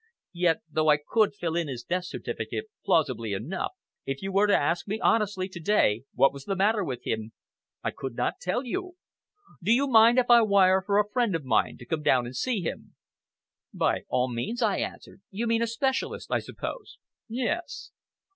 Yet, though I could fill in his death certificate plausibly enough, if you were to ask me honestly to day what was the matter with him, I could not tell you. Do you mind if I wire for a friend of mine to come down and see him?" "By all means," I answered; "you mean a specialist, I suppose?" "Yes!"